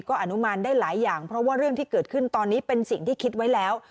ก็อนุมานได้หลายอย่างเพราะว่าเรื่องที่เกิดขึ้นตอนนี้เป็นสิ่งที่คิดไว้แล้ว